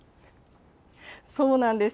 そうなんです。